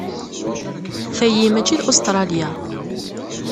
Tagi mačči d Ustṛalya.